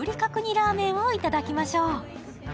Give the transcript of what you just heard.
ラーメンをいただきましょう。